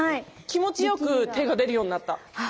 気持ちよく手が出るようになった。